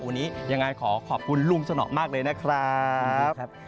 วันนี้ยังไงขอขอบคุณลุงสนอมากเลยนะครับ